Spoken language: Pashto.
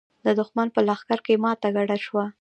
د دښمن په لښکر کې ماته ګډه شوه.